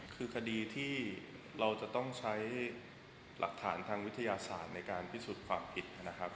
คือคดีที่เราจะต้องใช้หลักฐานทางวิทยาศาสตร์ในการพิสูจน์ความผิดนะครับ